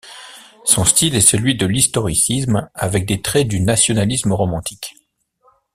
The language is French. Son style est celui de l'historicisme avec des traits du nationalisme romantique.